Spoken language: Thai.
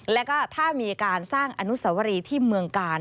แล้วก็ถ้ามีการสร้างอนุสวรีที่เมืองกาล